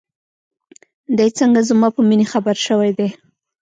دى څنگه زما په مينې خبر سوى دى.